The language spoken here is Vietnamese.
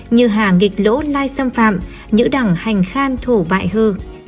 như hà nghịch lỗ lai xâm phạm nhữ đẳng hành khan thủ bại hư